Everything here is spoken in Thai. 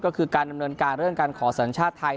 ก็คือการดำเนินการเรื่องการขอสัญชาติไทย